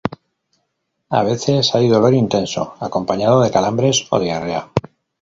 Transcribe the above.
A veces hay dolor intenso, acompañado de calambres o diarrea.